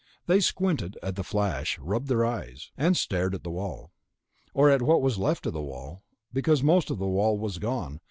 They squinted at the flash, rubbed their eyes.... And stared at the wall. Or at what was left of the wall, because most of the wall was gone.